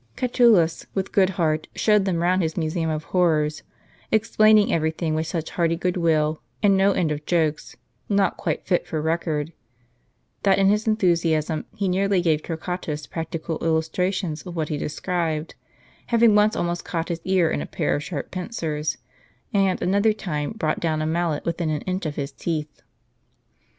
Catulus, with good heart, showed them round his museum of horrors, explaining every thing with such hearty good will, and no end of jokes not quite fit for i ecord, that in his enthu siasm he nearly gave Torquatus practical illustrations of what he described, having once almost caught his ear in a pair of sharp pincers, and another time brought down a mallet within an inch of his teeth.